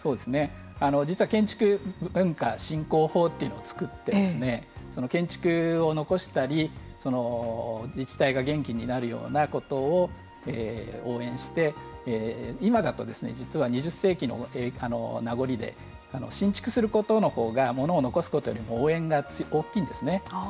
実は建築文化振興法というのを作って建築を残したり自治体が元気になるようなことを応援して、今だと実は２０世紀の名残で新築することのほうがものを残すことより応援が大きいんですね。